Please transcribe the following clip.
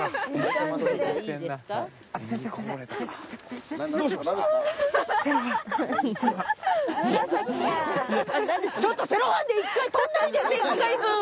ちょっとセロハンで１回撮んないでよ！